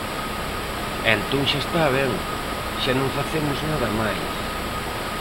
E entón xa está ben, xa non facemos nada máis.